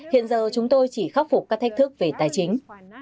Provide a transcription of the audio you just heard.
hiện giờ chúng tôi chỉ khắc phục các thách thức về tài chính